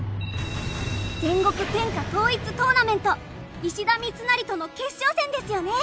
戦国天下統一トーナメント石田三成との決勝戦ですよね。